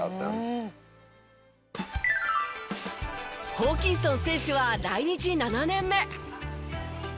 ホーキンソン選手は来日７年目。